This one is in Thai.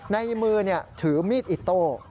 ในมือถือมีดอิโต้